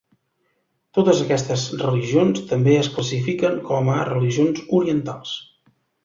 Totes aquestes religions també es classifiquen com a religions orientals.